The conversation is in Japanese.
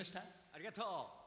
ありがとう！